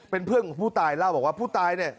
เป็นเพื่อนของผู้ตายเล่าบอกว่าผู้ตายเนี่ย